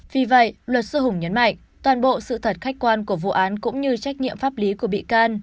vì vậy luật sư hùng nhấn mạnh toàn bộ sự thật khách quan của vụ án cũng như trách nhiệm pháp lý của bị can